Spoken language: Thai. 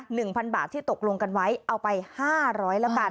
หนึ่งพันบาทที่ตกลงกันไว้เอาไปห้าร้อยแล้วกัน